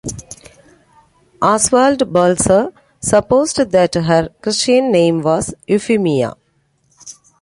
Oswald Balzer supposed that her Christian name was Eufemia.